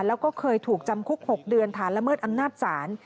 แล้วก็เคยถูกจำคุก๖เดือนฐานละเมิดอำนาจศาล